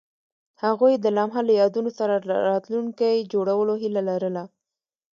هغوی د لمحه له یادونو سره راتلونکی جوړولو هیله لرله.